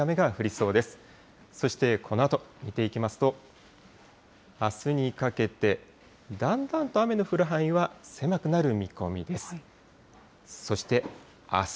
そしてこのあと見ていきますと、あすにかけて、だんだんと雨の降る範囲は狭くなる見込みです。